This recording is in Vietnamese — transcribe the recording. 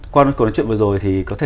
qua câu nói chuyện vừa rồi thì có thể